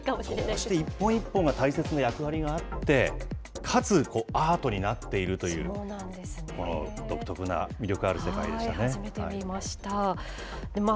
こうして一本一本が大切な役割があって、かつアートになっているという、この独特な魅力ある世界でしたね。